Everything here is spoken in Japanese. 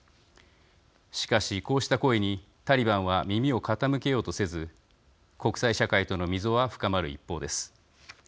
しかし、こうした声にタリバンは耳を傾けようとせず国際社会との溝は深まる一方です。